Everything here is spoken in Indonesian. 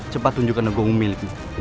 cepat tunjukkan negowongmu milikmu